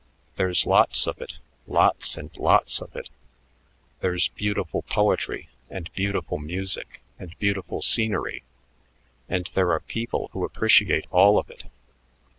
There's lots of it, lots and lots of it. There's beautiful poetry and beautiful music and beautiful scenery; and there are people who appreciate all of it.